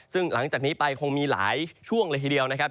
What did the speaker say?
ซึ่งหลังจากนี้ไปคงมีหลายช่วงเลยทีเดียวนะครับ